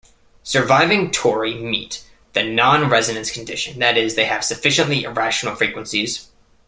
Surviving tori meet the non-resonance condition, that is, they have "sufficiently irrational" frequencies.